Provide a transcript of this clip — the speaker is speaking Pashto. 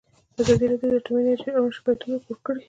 ازادي راډیو د اټومي انرژي اړوند شکایتونه راپور کړي.